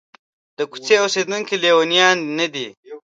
د کوڅې اوسېدونکي لېونیان نه دي.